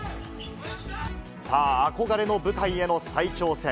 さあ、憧れの舞台への再挑戦。